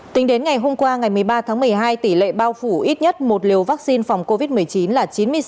tính đến ngày hôm qua ngày một mươi ba tháng một mươi hai tỷ lệ bao phủ ít nhất một liều vaccine phòng covid một mươi chín là chín mươi sáu